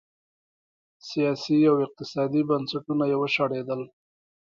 سیاسي او اقتصادي بنسټونه یې وشړېدل.